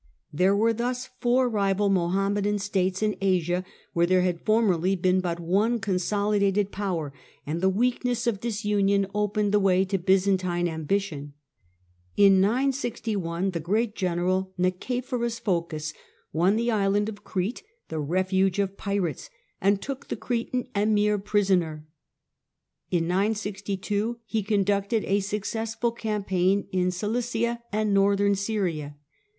There were thus four rival Mohammedan States in Asia, where there had formerly been but one strong consolidated power, and the weakness of disunion opened the way to Byzantine ambition. In 961 the great general Nicephorus Phocas won the island of Crete, the refuge of pirates, and took the Cretan Emir prisoner. In 962 he conducted a successful campaign in Cilicia and Northern Syria.